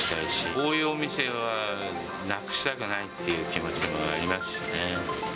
こういうお店はなくしたくないっていう気持ちもありますしね。